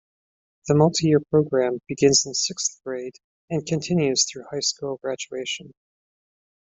The multi-year program begins in sixth grade and continues through high-school graduation.